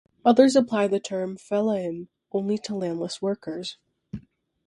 Others applied the term "fellahin" only to landless workers.